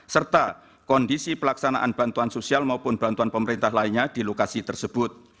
serta kondisi pelaksanaan bantuan sosial maupun bantuan pemerintah lainnya di lokasi tersebut